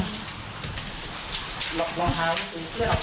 อ๋อมีคนอื่นขโมยไปค่ะ